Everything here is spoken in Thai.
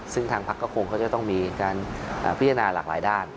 ซึ่งทางพักก็คงเขาจะต้องมีการพิจารณาหลากหลายด้าน